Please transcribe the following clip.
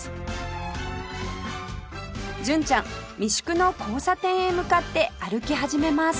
純ちゃん三宿の交差点へ向かって歩き始めます